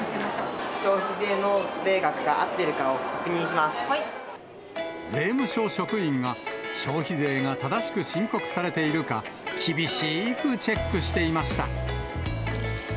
消費納税額が合っているかを税務署職員が、消費税が正しく申告されているか、厳しくチェックしていました。